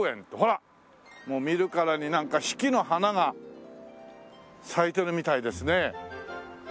もう見るからになんか四季の花が咲いてるみたいですね。